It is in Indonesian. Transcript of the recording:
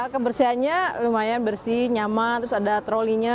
kebersihannya lumayan bersih nyaman terus ada trolinya